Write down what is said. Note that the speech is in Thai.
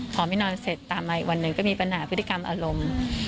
พอไม่นอนเสร็จตามมาอีกวันหนึ่งก็มีปัญหาพฤติกรรมอารมณ์